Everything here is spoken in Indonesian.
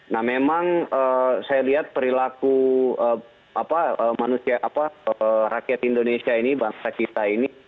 nah memang saya lihat perilaku rakyat indonesia ini bangsa kita ini